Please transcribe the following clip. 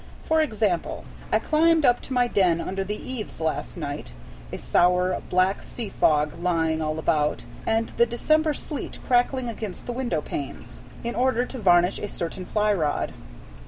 For example, I climbed up to my den under the eaves last night a sour, black sea fog lying all about, and the December sleet crackling against the window panes in order to varnish a certain fly rod.